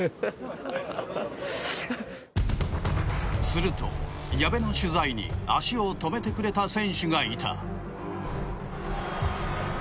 すると、矢部の取材に足を止めてくれた選手がいた。